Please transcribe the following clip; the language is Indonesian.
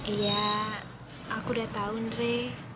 iya aku udah tau ndre